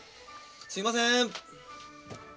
すいません。